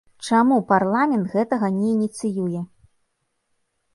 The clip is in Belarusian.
Чаму парламент гэтага не ініцыюе?